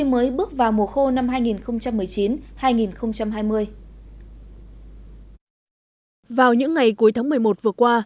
mới bước vào mùa khô năm hai nghìn một mươi chín hai nghìn hai mươi vào những ngày cuối tháng một mươi một vừa qua